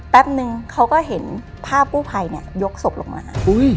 แป๊บหนึ่งเขาก็เห็นภาพกู้ไพยยกศพลงมา